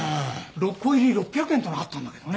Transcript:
６個入り６００円ってのあったんだけどね。